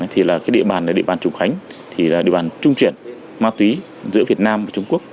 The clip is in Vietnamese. thì là cái địa bàn này là địa bàn trùng khánh thì là địa bàn trung triển ma túy giữa việt nam và trung quốc